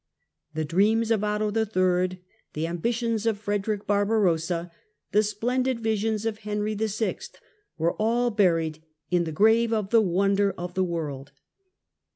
The dreams of Otto III, the ambitions of Frederick Barbarossa, the splendid visions of Henry VI., were all buried in the grave of the "Wonder of the World."